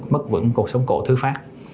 mất vững cột sống cổ thứ phát